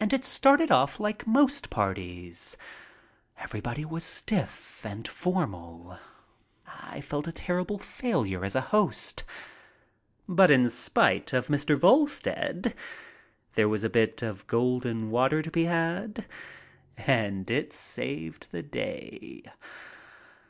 And it started off Hke most parties; every body was stiff and formal ; I felt a terrible failure as a host. But in spite of Mr. Volstead there was a bit of "golden water" to be had, and it saved the day.